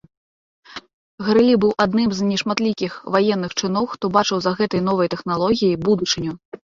Грылі быў адным з нешматлікіх ваенных чыноў, хто бачыў за гэтай новай тэхналогіяй будучыню.